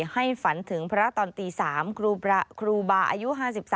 ให้ฝันถึงพระตอนตี๓ครูบาอายุ๕๓